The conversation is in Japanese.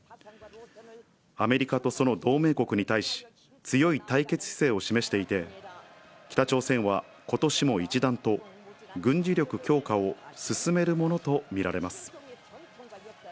アメリカとその同盟国に対し、強い対決姿勢を示していて、北朝鮮は、ことしも一段と、軍事力強化を進めるものと見られます。